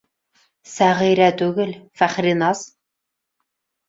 Сәғирә түгел, Фәхриназ!